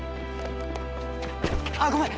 あっごめん！